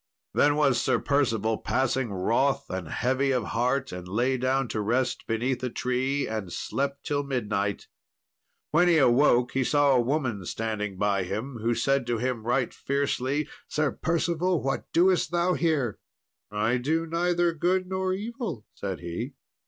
Then was Sir Percival passing wroth and heavy of heart, and lay down to rest beneath a tree, and slept till midnight. When he awoke he saw a woman standing by him, who said to him right fiercely, "Sir Percival, what doest thou here?" "I do neither good nor evil," said he.